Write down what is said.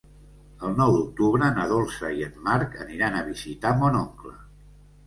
El nou d'octubre na Dolça i en Marc aniran a visitar mon oncle.